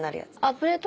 プレート？